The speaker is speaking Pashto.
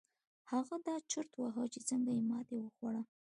هغه دا چورت واهه چې څنګه يې ماتې وخوړه.